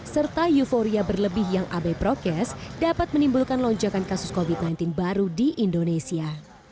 serta euforia berlebih yang abai prokes dapat menimbulkan lonjakan kasus covid sembilan belas baru di indonesia